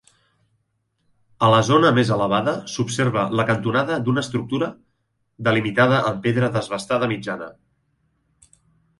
A la zona més elevada s'observa la cantonada d'una estructura, delimitada amb pedra desbastada mitjana.